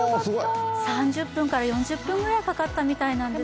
３０分から４０分くらいかかったみたいなんですね。